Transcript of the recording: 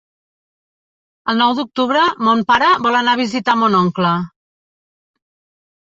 El nou d'octubre mon pare vol anar a visitar mon oncle.